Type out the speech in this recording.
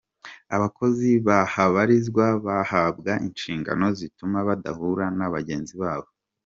Abakozi bahabarizwa bahabwa inshingano zituma badahura na bagenzi babo.